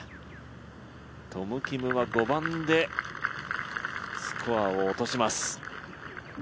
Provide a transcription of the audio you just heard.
トム・キムは５番でスコアを落とします。